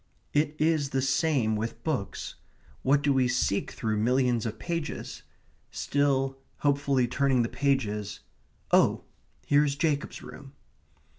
It is the same with books. What do we seek through millions of pages? Still hopefully turning the pages oh, here is Jacob's room.